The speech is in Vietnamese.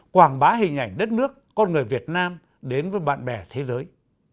quảng bá hình ảnh đất nước con người việt nam đến với bạn bè thế giới